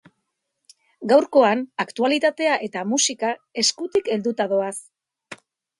Gaurkoan aktualitatea eta musika eskutik helduta doaz.